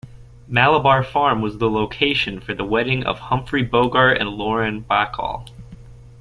Malabar Farm was the location for the wedding of Humphrey Bogart and Lauren Bacall.